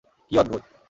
কী অদ্ভুত!